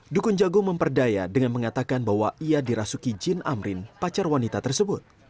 dukun jago memperdaya dengan mengatakan bahwa ia dirasuki jin amrin pacar wanita tersebut